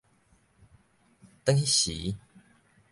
轉那時